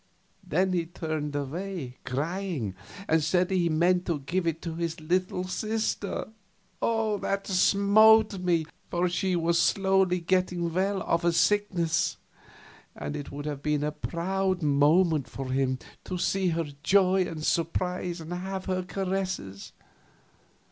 Then he turned away, crying, and said he had meant to give it to his little sister. That smote me, for she was slowly getting well of a sickness, and it would have been a proud moment for him, to see her joy and surprise and have her caresses.